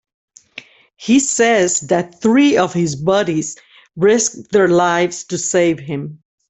He says that three of his buddies risked their lives to save him.